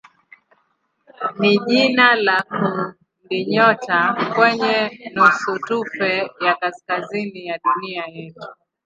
ni jina la kundinyota kwenye nusutufe ya kaskazini ya dunia yetu.